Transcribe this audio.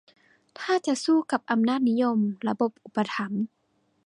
ถ้าจะสู้กับอำนาจนิยม-ระบบอุปถัมภ์